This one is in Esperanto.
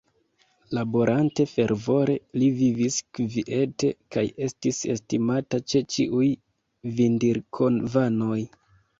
Laborante fervore, li vivis kviete kaj estis estimata de ĉiuj Vindirkovanoj.